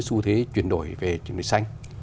su thế chuyển đổi về truyền đổi xanh